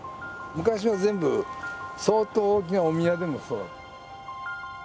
昔は全部相当大きなお宮でもそう。